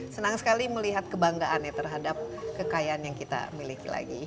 senang sekali melihat kebanggaan ya terhadap kekayaan yang kita miliki lagi